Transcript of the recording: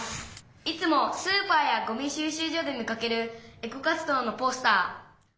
「いつもスーパーやゴミしゅう集所で見かけるエコ活動のポスター」。